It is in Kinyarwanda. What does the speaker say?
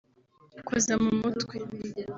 koza mu mutwe